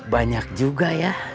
banyak juga ya